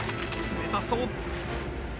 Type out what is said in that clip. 冷たそう！